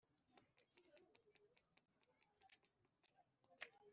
zigeze ibyansi ku ruhimbi